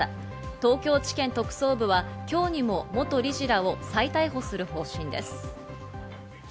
東京地検特捜部は今日にも元理事らを再逮捕する方針です。